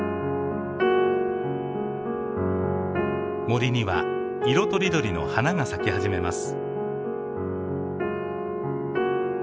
森には色とりどりの花が咲き始めます。